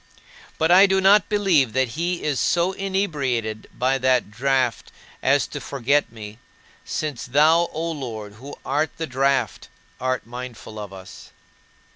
But I do not believe that he is so inebriated by that draught as to forget me; since thou, O Lord, who art the draught, art mindful of us.